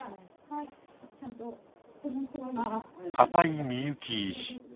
片井みゆき医師。